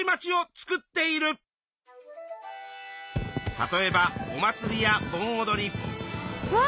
例えばお祭りやぼんおどり。わ！